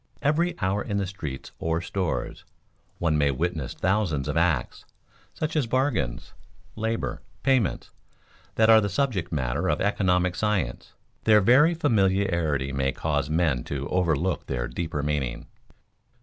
Every hour in the streets or stores, one may witness thousands of acts, such as bargains, labor, payments, that are the subject matter of economic science. Their very familiarity may cause men to overlook their deeper meaning.